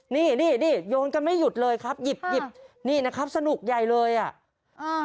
นี่นี่โยนกันไม่หยุดเลยครับหยิบหยิบนี่นะครับสนุกใหญ่เลยอ่ะอ่า